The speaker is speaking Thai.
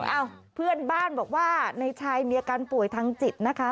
เอ้าเพื่อนบ้านบอกว่าในชายมีอาการป่วยทางจิตนะคะ